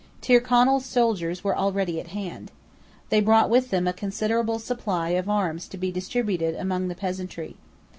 Tyrconnel's soldiers were already at hand. They brought with them a considerable supply of arms to be distributed among the peasantry.